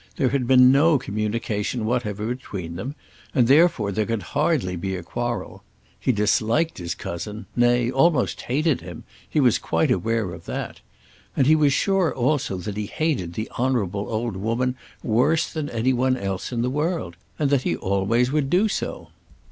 There had been no communication whatever between them, and therefore there could hardly be a quarrel. He disliked his cousin; nay, almost hated him; he was quite aware of that. And he was sure also that he hated that Honourable old woman worse than any one else in the world, and that he always would do so.